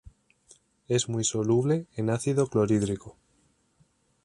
Es muy soluble en ácido clorhídrico.